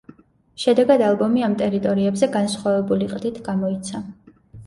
შედეგად, ალბომი ამ ტერიტორიებზე განსხვავებული ყდით გამოიცა.